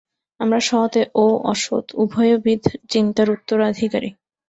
আমরা সৎ ও অসৎ উভয়বিধ চিন্তার উত্তরাধিকারী।